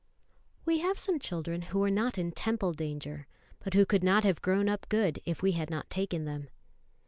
] WE have some children who were not in Temple danger, but who could not have grown up good if we had not taken them.